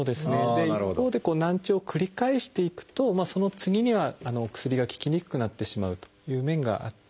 で一方でこう難聴を繰り返していくとその次には薬が効きにくくなってしまうという面がありますね。